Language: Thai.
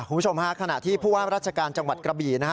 คุณผู้ชมฮะขณะที่ผู้ว่าราชการจังหวัดกระบี่นะฮะ